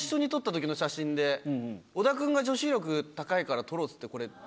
織田くんが女子力高いから撮ろうっつってこれ。